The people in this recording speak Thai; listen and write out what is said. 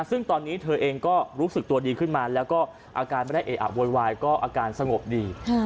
ซึ่งตอนนี้เธอเองก็รู้สึกตัวดีขึ้นมาแล้วก็อาการไม่ได้เออะโวยวายก็อาการสงบดี